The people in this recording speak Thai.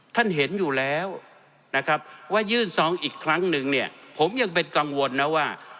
ท่านเห็นอยู่แล้วนะครับว่ายื่นซองอีกครั้งหนึ่งเนี่ยผมยังเป็นกังวลนะว่า